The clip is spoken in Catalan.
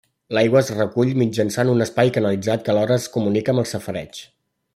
L'aigua es recull mitjançant un espai canalitzat que alhora es comunica amb el safareig.